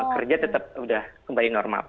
kerja tetap sudah kembali normal